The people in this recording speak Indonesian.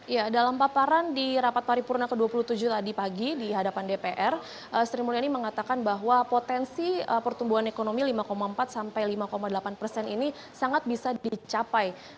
ya saya ingin mengatakan bahwa potensi pertumbuhan ekonomi lima empat hingga lima delapan persen ini sangat bisa dicapai